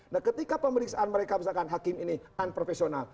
nah ketika pemeriksaan mereka misalkan hakim ini unprofessional